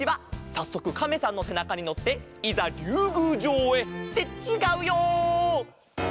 さっそくカメさんのせなかにのっていざりゅうぐうじょうへ。ってちがうよ！